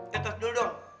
ya tos dulu dong